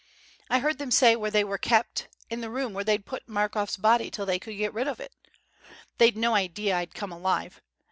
I heard them say where they were kept in the room where they'd put Markoff's body till they could get rid of it. They'd no idea I'd come alive.